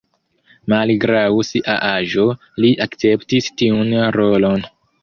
Malgraŭ sia aĝo, li akceptis tiun rolon.